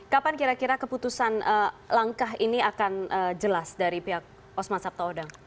kapan kira kira keputusan langkah ini akan jelas dari pihak osman sabtaodang